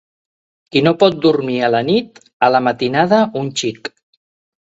Qui no pot dormir a la nit, a la matinada un xic.